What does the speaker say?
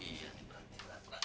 iya ini berat